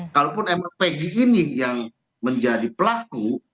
kalaupun memang peggy ini yang menjadi pelaku